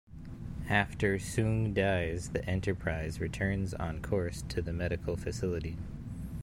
After Soong dies, the "Enterprise" returns on course to the medical facility.